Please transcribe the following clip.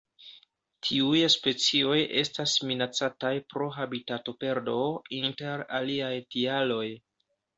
Tiuj specioj estas minacataj pro habitatoperdo, inter aliaj tialoj.